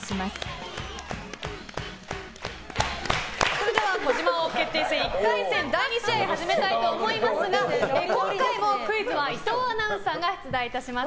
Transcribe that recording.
それでは児嶋王決定戦１回戦第２試合を始めたいと思いますが今回もクイズは伊藤アナウンサーが出題いたします。